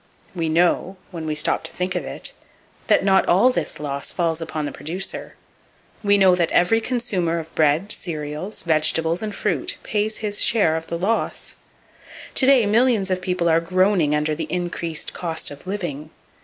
We know—when we stop to think of it—that not all this loss falls upon the producer. We know that every consumer of bread, cereals, vegetables and fruit pays his share of this loss! To day, millions of people are groaning under the "increased cost of living."